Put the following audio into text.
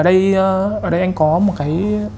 thì ở đây anh có một cái